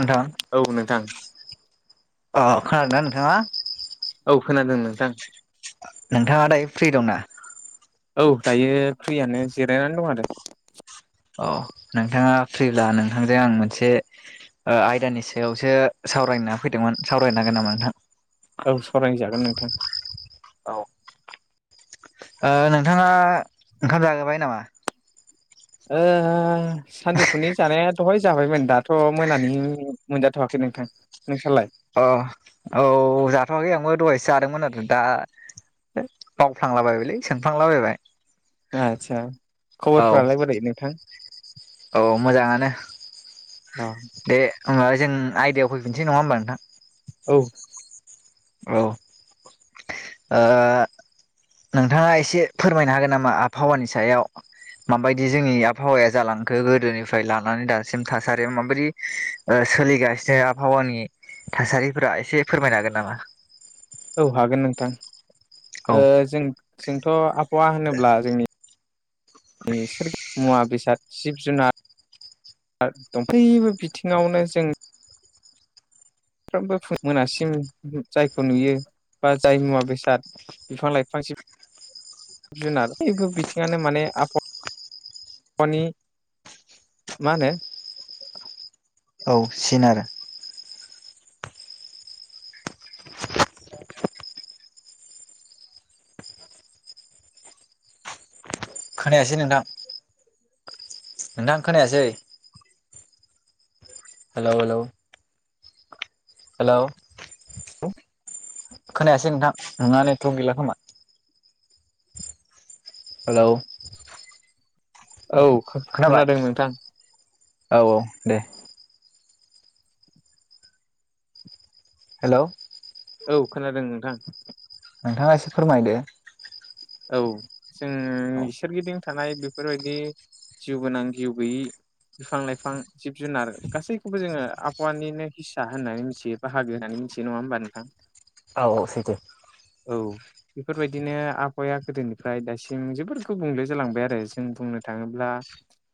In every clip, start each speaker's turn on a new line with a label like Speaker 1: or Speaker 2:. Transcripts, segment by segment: Speaker 1: नोंथां।
Speaker 2: औ नोंथां।
Speaker 1: अ खोनादों दा नोंथाङा?
Speaker 2: औ खोनादों नोंथां।
Speaker 1: नोंथाङा दायो फ्रि दंना?
Speaker 2: औ दायो फ्रियानो जिरायनानै दं आरो।
Speaker 1: अ नोंथाङा फ्रिब्ला नोंथांजों आं मोनसे आयदानि सायावसो सावरायना फैदोंमोन सावरायनो हागोन नामा नोंथां?
Speaker 2: औ सरायजागोन नोंथां।
Speaker 1: औ नोंथाङा ओंखाम जागोबाय नामा?
Speaker 2: सानजौफुनि जानाया दहाय जाबायमोन दाथ' मोनानि मोनजाथ'वाखै नोंथां नोंसालाय?
Speaker 1: अ औ जाथ'वाखै आंबो दहायसो जादोंमोन आरो दा बावफ्लांलाबायबायलै सोंफ्लांला बायबाय।
Speaker 2: आस्सा खबरफ्रालाय बोरै नोंथां?
Speaker 1: औ मोजाङानो।
Speaker 2: अ।
Speaker 1: दे होनोमबा जों आयदायाव फैफिनसै नङा होमबा नोंथां।
Speaker 2: औ।
Speaker 1: औ ओ। नोंथाङा एसे फोरमायनो हागोन नामा आबहावानि सायाव माबायदि जोंनि आबहावाया जालांखो गोदोनिफ्राय लानानै दासिम थासारियाव माबायदि। सोलिगासिनो आबहावानि थासारिफोरा एसे फोरमायनो हागोन नामा?
Speaker 2: औ हागोन नोंथां
Speaker 1: औ
Speaker 2: जों जोंथ' आबहावा होनोब्ला जोंनि [inaudible] मुवा बेसाद जिब जुनार दं बयबो बिथिङावनो जों। सानफ्रोमबो मोनासिम जायखौ नुयो बा जाय मुवा बेसाद बिफां लाइफांसिम जुनार बयबो बिथिङानो मानि आबहावानि मा नो
Speaker 1: औ सिन आरो खोनायासै नोंथां नोंथां खोनायासै हेल' हेल'। हेल'। खोनायासै नोंथां नोंना नेतवरक गैला खोमा। हेलौ।
Speaker 2: औ
Speaker 1: खोनाबाय
Speaker 2: खोनादों नोंथां।
Speaker 1: औ दे। हेलौ।
Speaker 2: औ खोनादों नोंथां।
Speaker 1: नोंथाङा एसे फोरमायदो
Speaker 2: औ जों
Speaker 1: औ
Speaker 2: सोरगिदिं थानाय बेफोरबायदि जिउ गोनां जिउ गैयि बिफां-लाइफां जिब जुनार गासैखौबो जोङो आबहावानिनो हिस्सा होननानै मिथियो। बाहागो होननानै मिथियो नङा होमबा नोंथां?
Speaker 1: औ सैथो।
Speaker 2: औ बेफोरबायदिनो आ हावाया गोदोनिफ्राय दासिम जोबोर गुबुंले जालांबाय आरो जों बुंनो थाङोब्ला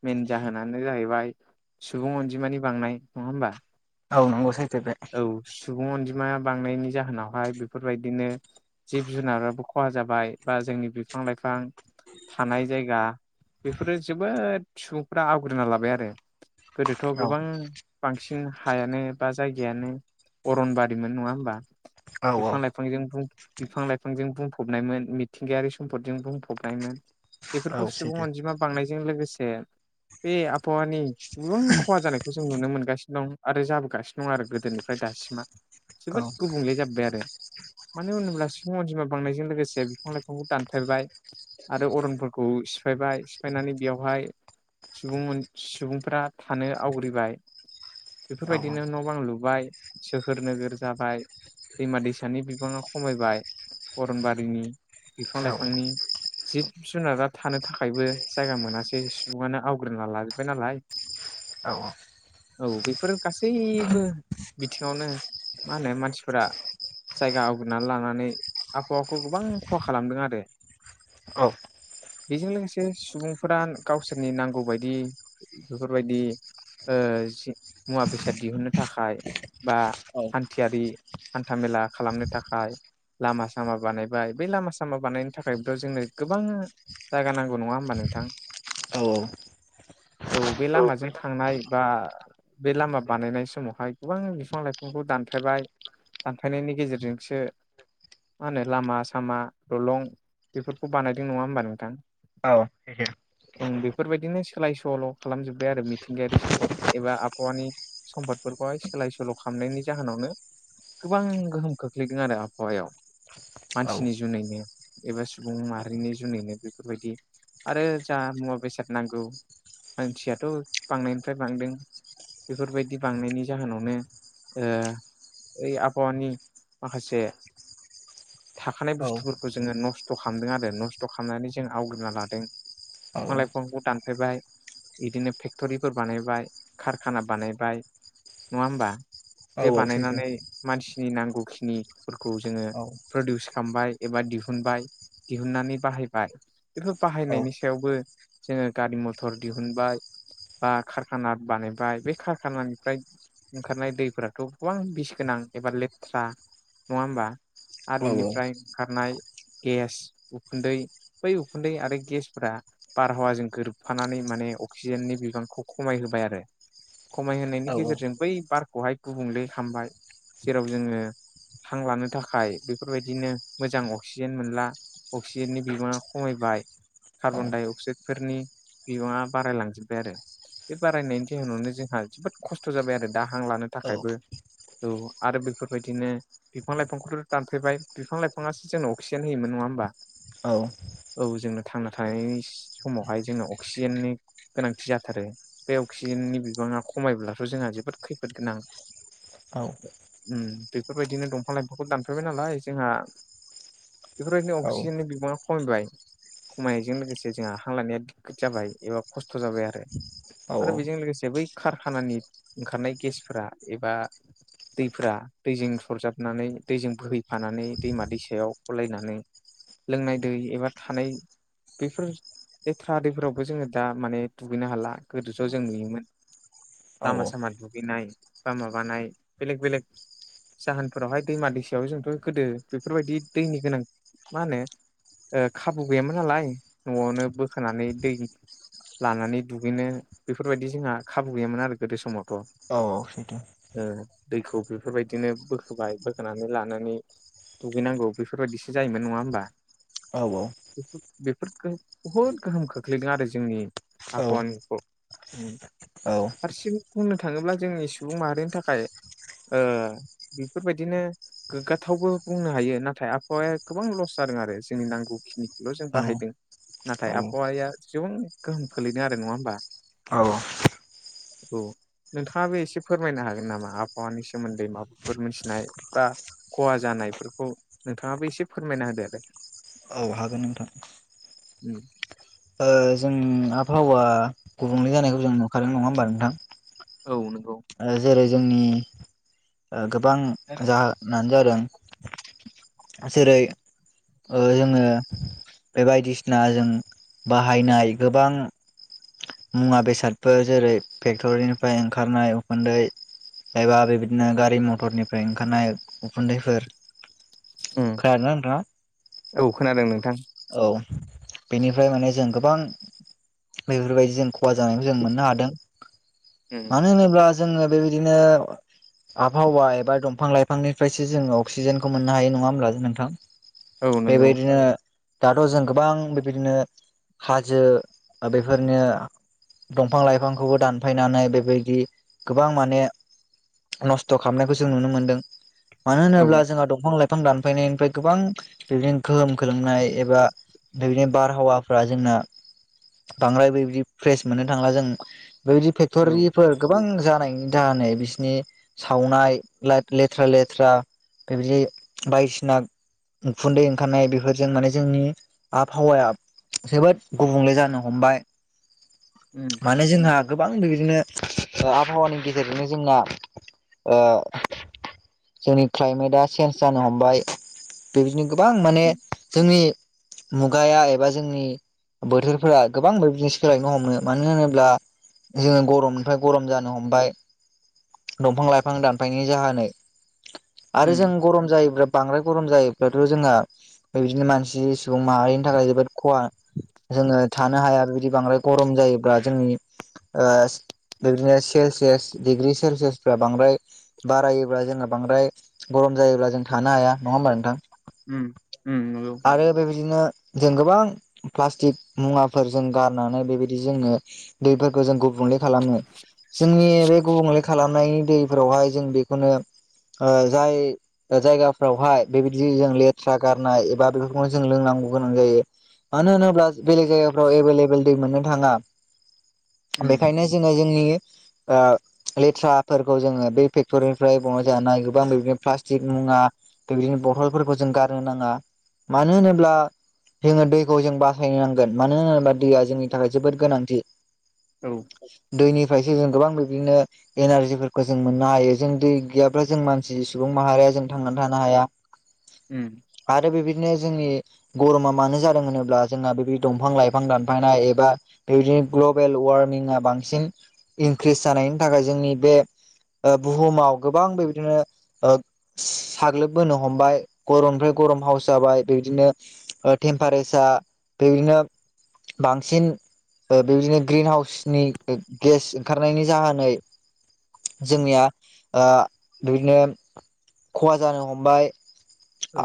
Speaker 2: मेेन जाहोनानो जाहैबाय सुबुं अनजिमानि बांनाय नङा होमबा?
Speaker 1: औ नंगौ सैथो बे
Speaker 2: औ सुबुं अनजिमाया बांनायनि जाहोनावहाय बेफोरबायदिनो जिब जुनाराबो खहा जाबाय बा जोंनि बिफां-लाइफां थानाय जायगा बेफोरो जोबोद सुबुंफ्रा आवग्रिना लाबाय आरो गोदोथ'
Speaker 1: औ
Speaker 2: गोबां बांसिन हायानो बा जायगायानो अरनबारिमोन नङा होमबा
Speaker 1: औ औ
Speaker 2: बिफां लाइफांजों बिफां लाइफांजों बुंफबनायमोन। मिथिंगायारि सम्पदजों बुंफबनायमोन
Speaker 1: औ
Speaker 2: बेफोरखौ
Speaker 1: सैथो
Speaker 2: सुबुं अनजिमा बांनायजों लोगोसे बे आबहावानि गोबां खहा जानायखौ जों नुनो मोनगासिनो दं आरो जाबोगासिनो दं नङा आरो गोदोनिफ्राय दासिमा
Speaker 1: औ
Speaker 2: जोबोद गुबुंले जाब्बाय आरो मानो होनोब्ला सिफुं अनजिमा बांनायजों लोगोसे बिफां लाइफांखौ दानफायबाय आरो अरनफोरखौ सिफायबाय सिफायनानै बेयावहाय सुबुं सुबुंफोरा थानो आवग्रिबाय
Speaker 1: औ
Speaker 2: बेफोरबायदिनो न' बां लुबाय सोहोर नोगोर जाबाय दैमा दैसानि बिबाङा खमायबाय अरनबारिनि बिफां
Speaker 1: औ
Speaker 2: लाइफांनि जिब जुनारा थानो थाखायबो जायगा मोनासै सुबुङानो आवग्रिना लाजोब्बाय नालाय
Speaker 1: औ।
Speaker 2: औ बेफोरो गासैबो बिथिङावनो मा होनो मानसिफोरा जायगा आवग्रिनानै लानानै आबहावाखौ गोबां फ' खालामदों आरो
Speaker 1: औ
Speaker 2: बेजों लोगोसे सुबुंफोरा गावसोरनि नांगौ बायदि बेफोरबायदि मुवा बेसाद दिहुनो थाखाय बा
Speaker 1: औ
Speaker 2: हान्थियारि हान्थाामेला खालामनो थाखाय लामा सामा बानायबाय बे लामा सामा बानायनो थाखायथ' जोंनो गोबां जायगा नांगौ नङा होमबा नोंथां
Speaker 1: औ औ।
Speaker 2: औ बे लामाजों थांनाय बा बे लामा बानायनाय समावहाय गोबां बिफां लाइफांखौ दानफायबाय दानफायनायनि गेजेरजोंसो मा होनो लामा लामा दलं बेफोरखौ बानायदों नङा होमबा नोंथां।
Speaker 1: [unintelligible]
Speaker 2: ओ बेफोरबायदिनो सोलाय सोल' खालामजोब्बाय आरो मिथिंगायारि सम्पद एबा आबहावानि सम्पदफोरखौहाय सोलाय सोल' खालामनायनि जाहोनावनो। गोबां गोहोम खोख्लैदों आरो आबहावायाव। मानसिनि जुनैनो एबा सुबुं माहारिनि जुनैनो बेफोरबायदि आरो जा मुवा बेसाद नांगौ मानसियाथ' बांनायनिफ्राय बांदों बेफोरबायदि बांनायनि जाहोनावनो आबहावानि माखासे थाखानाय बुस्थुफोरखौ जोङो नस्थ' खालामदों आरो नस्थ' खालामनानै जों आवग्रिना लादों। बिफां लाइफांखौ दानफायबाय बिदिनो फेक्ट'रिफोर बानायबाय कारखाना बानायबाय नङा होमबा? बे बानायनानै मानसिनि नांगौखिनिफोरखौ जोङो। प्रदिउस खालामबाय एबा दिहुनबाय दिहुननानै बाहायबाय बेफोरखौ बाहायनायनि सायावबो जोङो गारि मथर दिहुनबाय बा खारखाना बानायबाय बे खारखानानिफ्राय ओंखारनाय दैफोराथ' गोबां बिस गोनां एबा लेथ्रा नङा होमबा आरो बिनिफ्राय ओंखारनाय गेस उखुन्दै बै उखुन्दै आरो गेसफोरा। बारहावाजों गोरोबफानानै माने अक्सिजेननि बिबांखौ खमाय होबाय आरो। खमायहोयनि गेजेरजों बै बारखौहाय। गुबुंले हामबाय जेराव जोङो हां लानो थाखाय। बेफोरबायदिनो मोजां अक्सिजेन मोनला अक्सिजेननि बिबाङा खमायबाय। कार्बन डाइ अक्साइडफोरनि बिबाङा बारायलांजोबबाय आरो। बे बारायनायनि जउनावनो जोंहा जोबोद खस्थ' जाबाय आरो दाहां लानो थाखायबो। औ आरो बेफोरबायदिनो बिफां लाइफांखौथ' दानफैबाय बिफां लाइफाङासो जोंनो अक्सिजेन होयोमोन नङा होनोमबा।
Speaker 1: औ।
Speaker 2: औ जोंनो थांना थानाय समावहाय जोंनो अक्सिजेननि गोनांथि जाथारो बे अक्सिजेननि बिबाङा खमायब्लाथ' जोंहा जोबोद खैफोद गोनां। बेफोरबायदिनो दंफां लाइफांखौ दानफायबाय नालाय जोंहा बेफोरबायदि अक्सिजेननि बिबाङा खमायबाय खमायनायजों लोगोसे जोंहा हां लायानाया दिगखाद जाबाय एबा खस्थ' जाबाय आरो। आरो बेजों लोगोसे बै कारखानानि ओंखारनाय गेसफोरा एबा दैफोरा दैजों सरजाबनानै दैजों बोहैफानानै दैमा दैसायाव हलायनानै लोंनाय दै एबा थानाय बेफोर बे थ्राादैफोरावबो जोङो दा माने दुगैनो हाला गोदो ज' जों नुयोमोन लामा सामा दुगैनाय बा माबानाय बेलेक बेलेग जाहोनफोरावहाय दैमा दैसायाव जोंथ' गोदो बेफोरबायदि दैनि गोनां मा होनो खाबु गैयामोन नालाय न'आवनो बोखोनानै दै लानानै दुगैनो बेफोरबायदि जोंहा खाबु गैयामोन आरो गोदो समावथ'
Speaker 1: औ औ सैथो।
Speaker 2: दैखौ बेफोरबायदिनो बोखोबाय बो होनानै लानानै दुगैनांगौ बेफोरबायदिसो जायोमोन नङा होमबा।
Speaker 1: औ औ।
Speaker 2: बेफोर बुहुद गोहोम खोख्लैदों आरो जोंनि
Speaker 1: औ
Speaker 2: आबहावानिखौ हारसिं बुंनो थाङोब्ला जोंनि सुबुं माहारिनि थाखाय बेफोरबायदिनो गोग्गाथावबो बुंनो हायो नाथाय आबहावाया गोबां लस जादों आरो जोंनि नांगौखिनिखौल' जों बाहायदों नाथाय आबहावाया एसेबां गोहोम खोलैदों आरो नङा होमबा औ नोंथाङाबो एसे फोरमायनो हागोन नामा आबहावानि सोमोन्दै माबाफोर मोनथिनाय बा खहा जानायफोरखौ नोंथाङाबो एसे फोरमायना होदो आरो
Speaker 1: औ हागोन नोंथां।
Speaker 2: उम
Speaker 1: ओ जों। आबहावा गुबुंले जानायखौ जों नुखादों नङा होमबा नोंथां?
Speaker 2: औ नंगौ।
Speaker 1: जेरै जोंनि गोबां जाहोनानो जादों। जेरै, जोङो बे बायदिसिना जों बाहायनाय गोबां मुवा बेसादफोर जेरै, फेक्टरिनिफ्राय ओंखारनाय उखुन्दै एबा बेबायदिनो गारि मथरनिफ्राय ओंखारनाय उखुन्दैफोर
Speaker 2: उम
Speaker 1: खोनादोंना नोंथाङा?
Speaker 2: औ खोनादों नोंथां
Speaker 1: औ बेनिफ्राय माने जों गोबां बेफोरबायदि जों खहा जानायखौ जों मोननो हादों
Speaker 2: उम
Speaker 1: मानो होनोब्ला जोङो बेबायदिनो आबहावा एबा दंफां लाइफांनिफ्रायसो जोङो अक्सिजेनखौ मोननो हायो नङा होमब्ला नोंथां
Speaker 2: औ नंगौ
Speaker 1: बेबायदिनो दाथ' जों गोबां बेबायदिनो हाजो बेफोरनो दंफां लाइफांखौबो दानफायनानै बेबायदि गोबां माने नस्थ' खालामनायखौ जों नुनो मोनदों मानो होनोब्ला
Speaker 2: औ
Speaker 1: जोंहा दंफां लाइफां दानफायनायनिफ्राय गोबां बिदिनो गोहोम खोलोमनाय एबा बेबायदिनो बारहावाफ्रा जोंना बांद्राय बेबायदि फ्रेस मोननो थांला जों बेबायदि
Speaker 2: औ
Speaker 1: फेक्ट'रि फोर गोबां जानायनि दाहोनाय बिसिनि सावनाय ले-लेथ्रा लेथ्रा बेबायदि बायदिसिना उखुन्दै ओंखारनाय बेफोरजों माने जोंनि आबहावाया जोबोद गुबुंले जानो हमबाय
Speaker 2: उम
Speaker 1: माने जोंहा गोबां बिबायदिनो ओ आबहावानि गेजेरजोंनो जोंना ओ जोंनि क्लाइमेटआ चेन्ज जानो हमबाय बेबायदिनो गोबां माने जोंनि मुगाया एबा जोंनि बोथोरफोरा गोबां बिजनेस सोलायनो हमो मानो होनोब्ला जोङो गरमनिफ्राय गरम जानो हमबाय दंफां लाइफां दानफायनायनि जाहोनै आरो
Speaker 2: उम
Speaker 1: जों गरम जायोब्ला बांद्राय गरम जायोब्लाथ' जोंहा बे बिदिनो मानसि सुबुं माहारिनि थाखाय जोबोद खहा जोङो थानो हाया बिबायदि बांद्राय गरम जायोब्ला जोंनि ओ बिबायदिनो सेलसियास डिग्रि सेलसियासफ्रा बांद्राय बारायोब्ला जोंना बांद्राय गरम जायोब्ला जों थानो हाया नङा होमबा नोंथां
Speaker 2: ओम ओम नंगौ
Speaker 1: आरो बेबायदिनो जों गोबां प्लास्टिक मुवाफोरजों गारनानै बेबायदि जोङो दैफोरखौ जों गुबुंले खालामो जोंनि बे गुबुंले खालामनाय दै फोरावहाय जों बेखौनो ओ जाय जायगाफ्रावहाय बेबायदि जों लेथ्रा गारनाय बा बेफोरखौनो जों लोंनांगौ गोनां जायो मानो होनोब्ला बेलेग जायगाफ्राव जों ऐबेलेबोल दै मोननो थाङा
Speaker 2: उम
Speaker 1: बेखायनो जोङो जोंनि ओ लेथ्राफोरखौ जोङो बे फेक्ट'रिनिफ्राय बहनजानाय गोबां बेदिनो प्लास्टिक मुवा बेबायदिनो बथलफोरखौ जों गारनो नाङा मानो होनोब्ला‌ जोङो दैखौ जों बासायनो नांगोन मानो होनोब्ला दैया जोंनि थाखाय जोबोद गोनांथि।
Speaker 2: औ
Speaker 1: दैनिफ्रायसो जों गोबां बिबदिनो एनारजिफोरखौ जों मोननो हायो जों दै गैयाब्ला जों मानसि सुबुं माहारिया जों थांनानै थानो हाया
Speaker 2: उम
Speaker 1: आरो बेबायदिनो जोंनि गरमा मानो जादों होनोब्ला जोंहा बेबायदि दंफां लाइफां दानफायनाय एबा बेबायदिनो ग्लबेल वार्मिंआ बांसिन इनक्रिस जानायनि थाखाय जोंनि बे बुहुमाव गोबां बेबदिनो साग्लोबबोनो हमबाय गरमनिफ्राय गरम हाव जाबाय बेबायदिनो टेम्पारेचार बेबायदिनो बांसिन बेबायदिनो ग्रिन हाउसनि गेस ओंखारनायनि जाहोनै जोंनिया ओ बिदिनो खहा जानो हमबाय।
Speaker 2: औ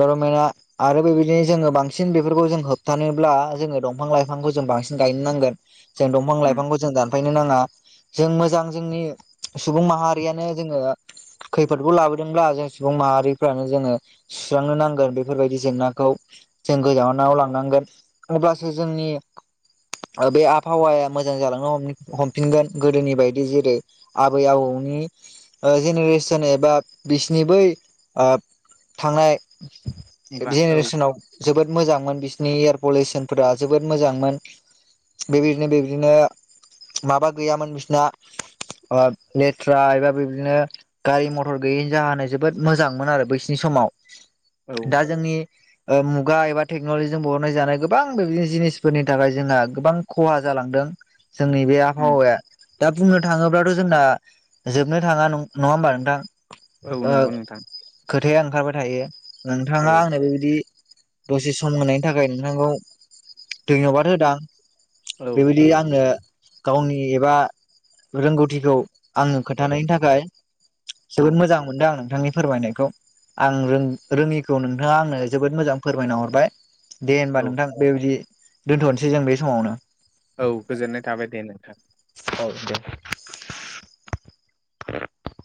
Speaker 1: बाराव माया आरो बेबायदिनो जोङो बांसिन बेफोरखौ जों होबथानोब्ला जोङो दंफां लाइफांखौ जों बांसिन गायनो नांगोन। जों दंफां
Speaker 2: उम
Speaker 1: लाइफांखौ जों दान फायनो नाङा जों मोजां जोंनि सुबुं माहारियानो जोङो खैफोदखौ लाबोदोंब्ला जों सुबुं माहारिफ्रानो जोङो सुस्रांनो नांगोन बेफोरबायदि जेंनाखौ जों गोजाननाव लांनांगोन अब्लासो जोंनि बे आबहावाया मोजां जालांनो हमफिनगोन गोदोनि बायदि जेरै आबै आबौनि ओ जेनेरेसन एबा बिसिनि बै ओ थांनाय
Speaker 2: मुगा औ
Speaker 1: जेनेरेसनाव जोबोद मोजांमोन बिसिनि एयार पलिउसनफोरा जोबोद मोजांमोन। बेबायदिनो बेबायदिनो माबा गैयामोन बिसना ओ लेथ्रा एबा बेदिनो गारि मथर गैयैनि जाहोनानाय जोबोद मोजांमोन आरो बै समाव
Speaker 2: औ
Speaker 1: दा जोंनि मुगा एबा टेक्न'लजिजों बहरनाय जानाय गोबां बेबायदि जिनिसफोरनि थाखाय जोंहा गोबां खहा जालांदों। जोंनि बे
Speaker 2: उम
Speaker 1: आबहावाया दा बुंनो थाङोब्लाथ' जोंना जोबनो थाङा नङा होमबा नोंथां?
Speaker 2: औ
Speaker 1: ओ
Speaker 2: नंगौ नोंथां।
Speaker 1: खोथाया ओंखारबाय थायो
Speaker 2: औ
Speaker 1: नोंथाङा आंनो बेबायदि दसे सम होननायनि थाखाय नोंथांखौ धन्यबाद होदां।
Speaker 2: औ
Speaker 1: बेबायदि आङो गावनि एबा रोंगौथिखौ आङो खोन्थानायनि थाखाय जोबोद
Speaker 2: औ
Speaker 1: मोजां मोनदों आं नोंथांनि फोरमायनायखौ आं रोङिखौ नोंथाङा आंनो जोबोद मोजां फोरमायना हरबाय दे होमबा
Speaker 2: औ
Speaker 1: नोंथां। बेबायदि दोन्थ'नोसै जों बे समावनो।
Speaker 2: औ गोजोननाय थाबाय दे नोंथां।
Speaker 1: औ दे। [inaudible]